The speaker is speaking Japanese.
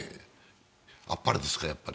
あっぱれですか、やっぱり。